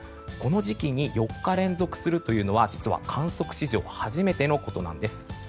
この時期に４日連続するというのは観測史上初めてのことなんです。